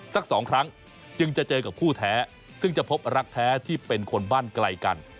สักสองครั้งจึงจะเจอกับคู่แท้ซึ่งจะพบรักแท้ที่เป็นคนบ้านไกลกัน